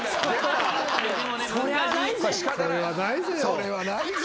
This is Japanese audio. それはないぜ。